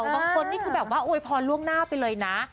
บางคนนี่คือแบบว่าอวยพรล่วงหน้าไปเลยนะ